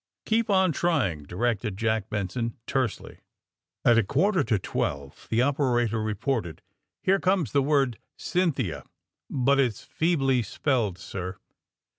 ^^Keep on trying," directed Jack Benson tersely. At a quarter to twelve the operator reported: ^^Here ,comes the word, ^Cynthia,' but it's feebly spelled, sir.